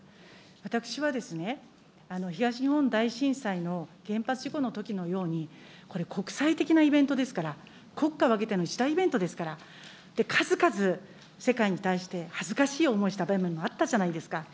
私は、東日本大震災の原発事故のときのように、これ、国際的なイベントですから、国家を挙げての一大イベントですから、数々、世界に対して恥ずかしい思いした部分もあったじゃないですか。